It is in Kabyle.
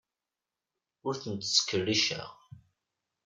Ur tent-ttkerriceɣ.